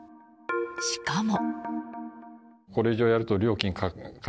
しかも。